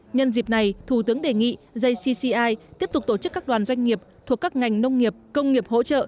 nhân dịp này thủ tướng đề nghị jcci tiếp tục tổ chức các đoàn doanh nghiệp thuộc các ngành nông nghiệp công nghiệp hỗ trợ